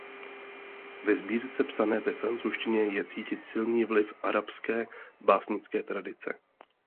Ve sbírce psané ve francouzštině je cítit silný vliv arabské básnické tradice.